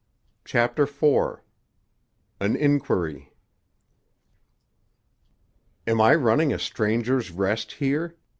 CHAPTER IV—AN INQUIRY "Am I running a Strangers' Rest here?"